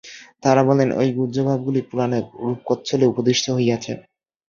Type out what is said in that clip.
তাঁহারা বলেন, ঐ গুহ্য ভাবগুলি পুরাণে রূপকচ্ছলে উপদিষ্ট হইয়াছে।